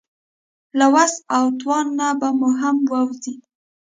له وس او توان نه به مو هم ووځي.